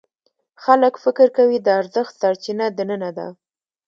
خلک فکر کوي د ارزښت سرچینه دننه ده.